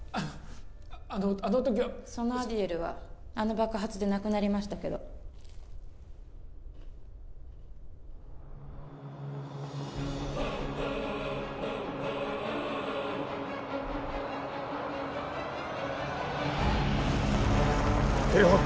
あのあの時はそのアディエルはあの爆発で亡くなりましたけどうっブハーッ！